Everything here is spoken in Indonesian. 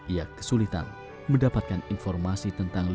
ia kesulitan mendapatkan informasi